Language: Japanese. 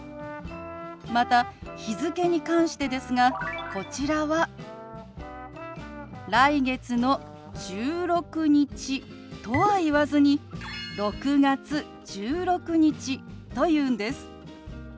また日付に関してですがこちらは「来月の１６日」とは言わずに「６月１６日」と言うんです。